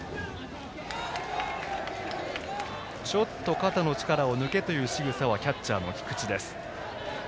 肩の力を抜けというしぐさはキャッチャーの菊池です。